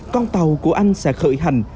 con tàu của anh sẽ khởi hành